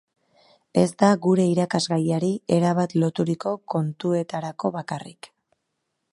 Ez da gure irakasgaiari erabat loturiko kontuetarako bakarrik.